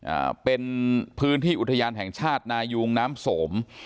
อ่าเป็นพื้นที่อุทยานแห่งชาตินายุงน้ำสม